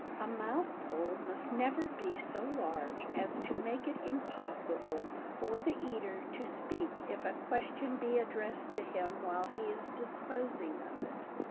A mouthful must never be so large as to make it impossible for the eater to speak if a question be addressed to him while he is disposing of it.